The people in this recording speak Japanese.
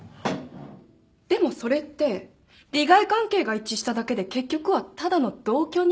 でもそれって利害関係が一致しただけで結局はただの同居人ということですよね。